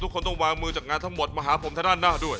ต้องวางมือจากงานทั้งหมดมาหาผมทางด้านหน้าด้วย